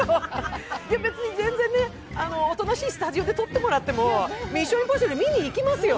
別に全然ね、おとなしいスタジオで撮ってもらっても「ミッション：インポッシブル」見に行きますよ。